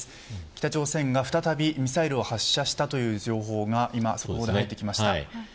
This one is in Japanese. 北朝鮮が、再びミサイルを発射したという情報が今、入ってきました。